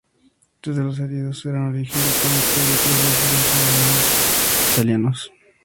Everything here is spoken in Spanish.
Dos de los heridos eran de origen británico y otros dos eran ciudadanos italianos.